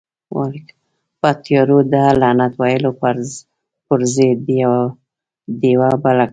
په تيارو ده لعنت ويلو پر ځئ، ډيوه بله کړه.